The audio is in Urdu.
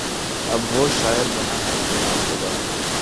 اب وہ شاعر بنا ہے بہ نام خدا